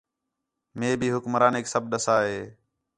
مئے بھی حکمرانیک سب ݙَسّا ہِے